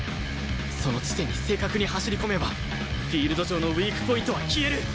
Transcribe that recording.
その地点に正確に走り込めばフィールド上のウィークポイントは消える！